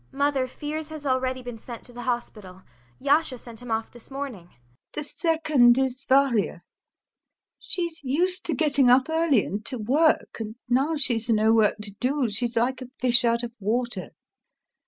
ANYA. Mother, Fiers has already been sent to the hospital. Yasha sent him off this morning. LUBOV. The second is Varya. She's used to getting up early and to work, and now she's no work to do she's like a fish out of water.